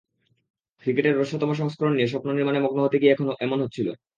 ক্রিকেটের হ্রস্বতম সংস্করণ নিয়ে স্বপ্ন নির্মাণে মগ্ন হতে গিয়ে এমন হচ্ছিল।